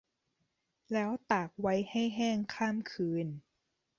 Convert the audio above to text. แล้วตากไว้ให้แห้งข้ามคืน